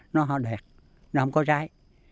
nó đẹp nó không có rai